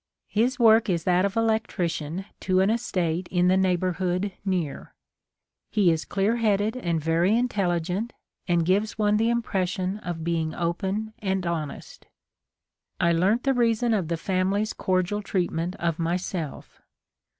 His work is that of electrician to an estate in the neighbourhood near. He is clear headed and very intelligent, and gives one the impression of being open and honest. I learnt the reason of the family's cordial treatment of myself.